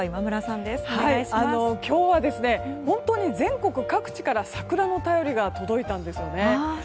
今日は本当に全国各地から桜の便りが届いたんですよね。